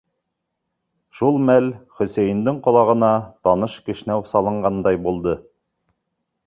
Шул мәл Хөсәйендең ҡолағына таныш кешнәү салынғандай булды.